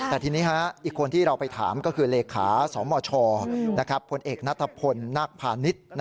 แต่ทีนี้ฮะอีกคนที่เราไปถามก็คือเลขาสมชนะครับผลเอกนัทพลนักผ่านิต